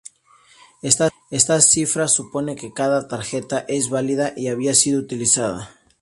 Esta cifra supone que cada tarjeta es válida y había sido utilizada.